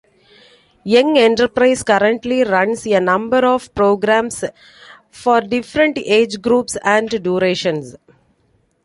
Young Enterprise currently runs a number of programmes for different age groups and durations.